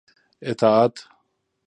اطاعت